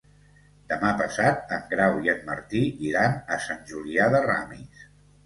Demà passat en Grau i en Martí iran a Sant Julià de Ramis.